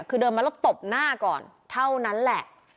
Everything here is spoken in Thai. คือเดินมาแล้วตบหน้าก่อนเท่านั้นแหละ